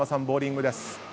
ボウリングです。